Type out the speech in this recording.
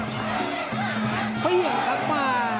เฮ้ยอีกครั้งมา